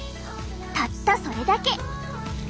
たったそれだけ。